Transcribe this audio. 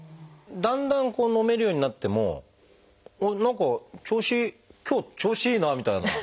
だんだん飲めるようになってもあっ何か調子今日調子いいなみたいな。